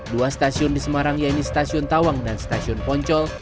dua stasiun di semarang yaitu stasiun tawang dan stasiun poncol